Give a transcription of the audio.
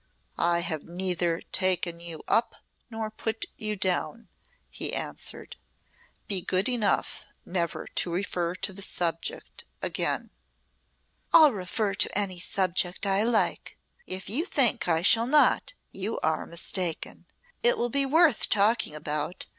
"I have neither taken you up nor put you down," he answered. "Be good enough never to refer to the subject again." "I'll refer to any subject I like. If you think I shall not you are mistaken. It will be worth talking about.